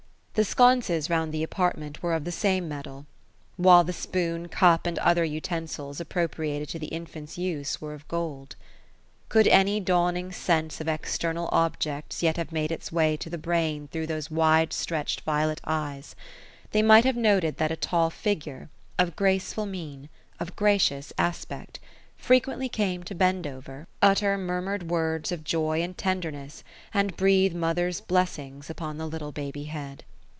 The sconces round the apart ment were of the same metal ; while the spoon, cup. and other utensils appropriated to the infant's use were of gold. Could any dawning sense of external objects yet have made its way to the brain through those wide stretched violet eyes, they might have noted that a tall figure, of graceful mien, of gracious aspect, frequently came to bend over, and 188 OPTfELlA ; utter murmured words of joy and tenderness, and breathe mother's bless ings upon the little baby head.